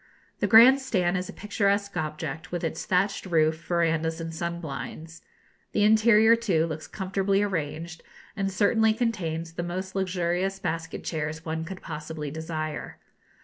The grand stand is a picturesque object, with its thatched roof, verandahs, and sun blinds. The interior, too, looks comfortably arranged, and certainly contains the most luxurious basket chairs one could possibly desire.